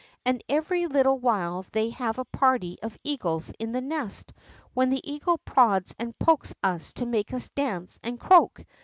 And every little while they have a party of eagles in the nest, when the eagle prods and pokes us to make us dance and croak.